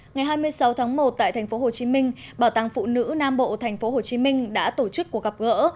ngày hai mươi sáu tháng một tại tp hcm bảo tàng phụ nữ nam bộ tp hcm đã tổ chức cuộc gặp gỡ